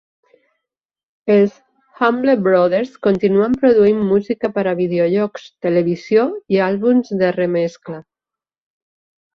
Els Humble Brothers continuen produint música per a videojocs, televisió i àlbums de remescla.